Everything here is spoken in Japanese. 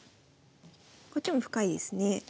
こっちも深いですね。